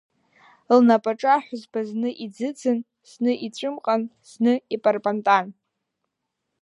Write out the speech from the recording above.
Лнапаҿы аҳәызба зны иӡыӡын, зны иҵәымҟан, зны ипарпантан.